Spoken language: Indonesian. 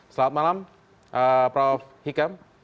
selamat malam prof hikam